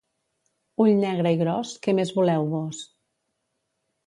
Ull negre i gros, què més voleu vós?